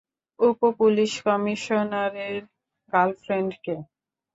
উপ-পুলিশ কমিশনারের গার্লফ্রেন্ডকে!